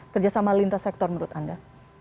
kerjasama lintas sektor menurut anda